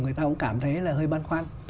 người ta cũng cảm thấy là hơi băn khoăn